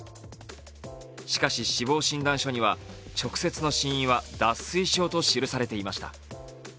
しかし、死亡診断書には直接の死因は脱水症と記されていました。